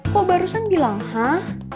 kok barusan bilang hah